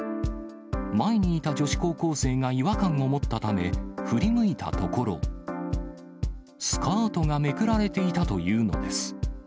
前にいた女子高校生が違和感を持ったため、振り向いたところ、スカートがめくられていたというのです。